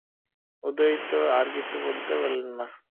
উদয়াদিত্য আর কিছু বলিতে পারিলেন না।